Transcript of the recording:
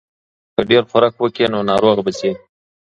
که ډېر خوراک وکړې نو ناروغه به شې.